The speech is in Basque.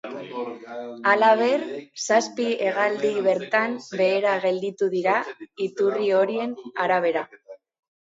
Halaber, zazpi hegaldi bertan behera gelditu dira, iturri horien arabera.